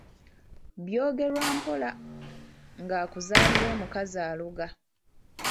“Byogerwa mpola”, ng’akuzaalira omukazi aloga.